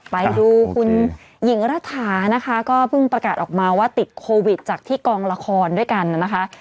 ไปดูคุณหญิงรัฐานะคะก็เพิ่งประกาศออกมาว่าติดโควิดจากที่กองละครด้วยกันนะคะ